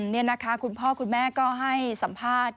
นี่นะคะคุณพ่อคุณแม่ก็ให้สัมภาษณ์